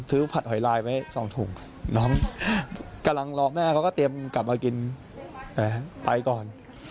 ผัดหอยลายไว้๒ถุงน้องกำลังรอแม่เขาก็เตรียมกลับมากินไปก่อน